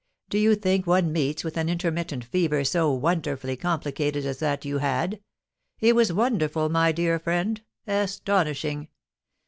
_ Do you think one meets with an intermittent fever so wonderfully complicated as that you had! It was wonderful, my dear friend astonishing!